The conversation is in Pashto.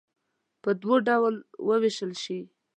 په دوو ډلو ووېشل شي.